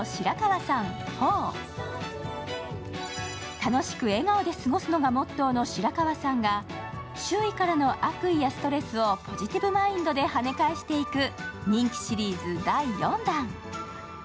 楽しく笑顔で過ごすのがモットーの白川さんが、周囲からの悪意やストレスをポジティブマインドではね返していく人気シリーズ第４弾。